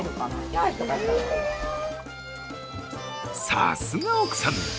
さすが奥さん！